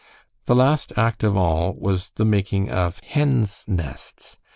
The last act of all was the making of "hens' nests."